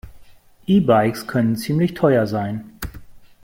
E-Bikes können ziemlich teuer sein.